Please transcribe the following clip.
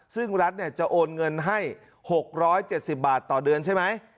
ซึ่งรัฐจะโอนเงินให้๖๗๐บาทต่อเดือนใช่ไหม